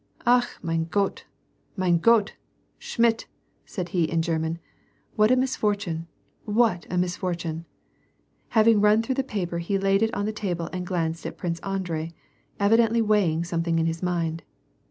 " Ach mein Gott ! mein Gott ! Schmidt !" said he, in German. " What a misfortune ! what a misfortune !'^ Having run through the paper he laid it on the table and glanced at Prince Andrei, evidently weighing something in his mind.